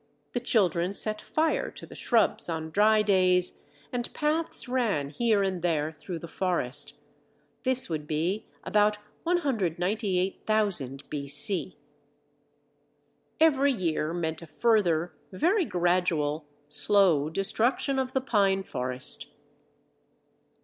The children set fire to the shrubs on dry days and paths ran here and there through the forest. This would be about 198,000 B.C. Every year meant a further very gradual, slow destruction of the pine forest.